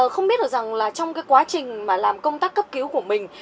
không biết được rằng là trong cái quá trình mà làm công tác cấp cứu của mình